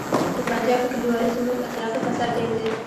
د پنجاب په کلیوالو سیمو کې اخلاقي فساد ډیر دی